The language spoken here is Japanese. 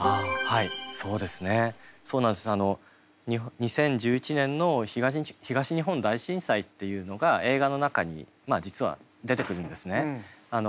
２０１１年の東日本大震災っていうのが映画の中に実は出てくるんですね。